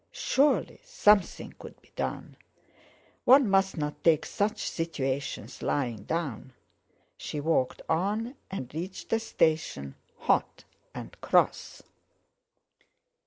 Surely something could be done! One must not take such situations lying down. She walked on, and reached a station, hot and cross.